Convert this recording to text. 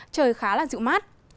trời khá là dịu mát